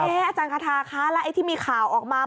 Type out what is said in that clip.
อาจารย์คาทาคะแล้วไอ้ที่มีข่าวออกมา